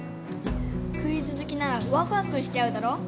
クイズ好きならワクワクしちゃうだろ！